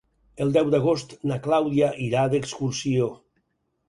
El deu d'agost na Clàudia irà d'excursió.